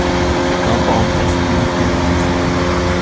The compound has few uses.